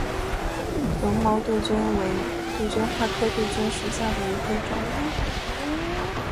绒毛杜鹃为杜鹃花科杜鹃属下的一个种。